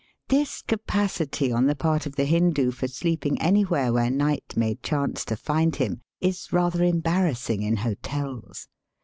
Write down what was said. This capacity on the part of the Hindoo for sleeping anywhere where night may chance to find him is rather embarrassing in hotels.